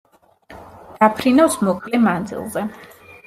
დაფრინავს მოკლე მანძილზე.